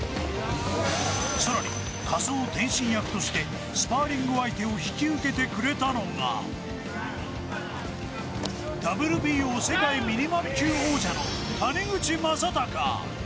更に仮想天心役としてスパーリング相手を引き受けてくれたのがＷＢＯ世界ミニマム級王者の谷口将隆。